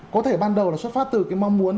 có thể ban đầu là xuất phát từ cái mong muốn